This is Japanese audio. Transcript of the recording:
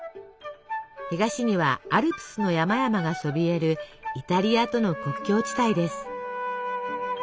東にはアルプスの山々がそびえるイタリアとの国境地帯です。